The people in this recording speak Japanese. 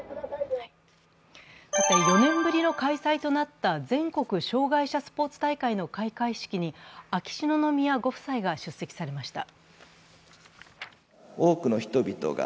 ４年ぶりの開催となった全国障害者スポーツ大会の開会式に秋篠宮ご夫妻が出席されました。